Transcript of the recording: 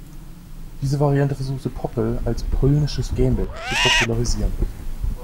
Diese Variante versuchte Popiel als "Polnisches Gambit" zu popularisieren.